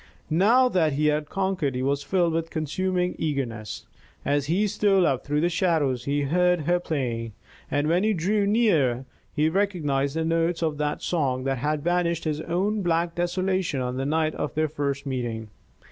Now that he had conquered, he was filled with a consuming eagerness. As he stole up through the shadows he heard her playing, and when he drew nearer he recognized the notes of that song that had banished his own black desolation on the night of their first meeting.